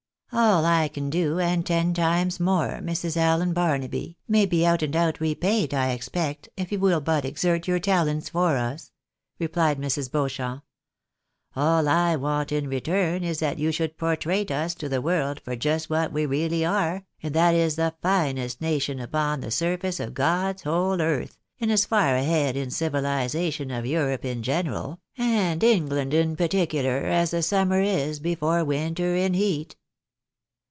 " AU I can do, and ten times more, Mrs. Allen Barnaby, may be out and out repaid, I expect, if you will but exert your talents for us," repUed Mrs. Beauchamp. "All I want in return is that you should portrait us out to the world for just what we really are, and that is the finest nation upon the surface of God's whole earth, and as far ahead in civilisation of Europe in general, and England in particular, as the summer is before winter in heat."